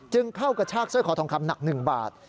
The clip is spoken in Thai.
เข้ากระชากสร้อยคอทองคำหนัก๑บาท